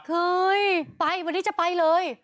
เคยไปวันนี้จะไปเลย